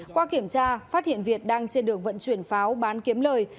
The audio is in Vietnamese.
qua kiểm tra phát hiện việt đang trên đường vận chuyển pháo bán kiếm lời